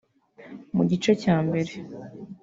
Mu gice cya mbere